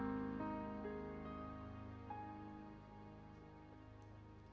tuhan yang maha rahman